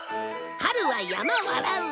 春は山笑う。